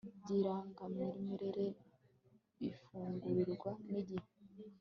by irangamimerere bifungurirwa n igihe